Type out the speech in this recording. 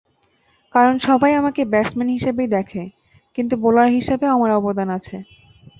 কারণ সবাই আমাকে ব্যাটসম্যান হিসেবেই দেখে, কিন্তু বোলার হিসেবেও আমার অবদান আছে।